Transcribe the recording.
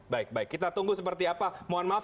baik baik kita tunggu seperti apa mohon maaf